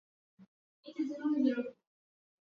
kuombewa katika magonjwa nk Wengine walizoea kupokea zawadi za